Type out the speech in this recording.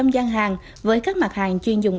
gian hàng với các mặt hàng chuyên dùng